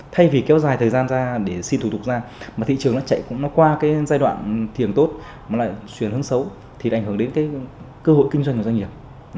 thay vì kéo dài thời gian để xin thủ tục ra thị trường nó chạy qua giai đoạn thiền tốt mà lại chuyển hướng xấu thì đảnh hưởng đến cơ hội kinh doanh của doanh nghiệp